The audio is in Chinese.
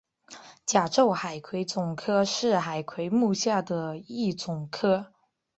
甲胄海葵总科是海葵目下的一总科。